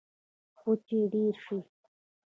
کوچي ډیر شي